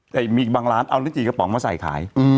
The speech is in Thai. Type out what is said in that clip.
แต่มีอีกบางร้านเอาลิจีกระป๋องมาใส่ขาย